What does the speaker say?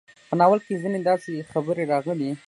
په ناول کې ځينې داسې خبرې راغلې